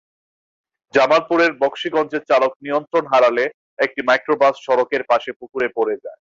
জামালপুরের বকশিগঞ্জে চালক নিয়ন্ত্রণ হারালে একটি মাইক্রোবাস সড়কের পাশে পুকুরে পড়ে যায়।